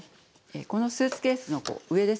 このスーツケースの上ですね。